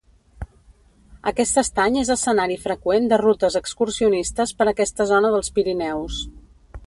Aquest estany és escenari freqüent de rutes excursionistes per aquesta zona dels Pirineus.